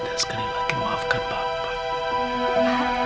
dan sekali lagi maafkan bapak